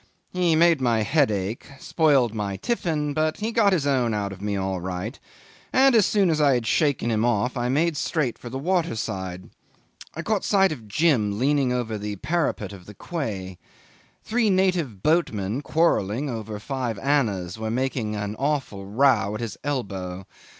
He made my head ache, spoiled my tiffin, but got his own out of me all right; and as soon as I had shaken him off, I made straight for the water side. I caught sight of Jim leaning over the parapet of the quay. Three native boatmen quarrelling over five annas were making an awful row at his elbow.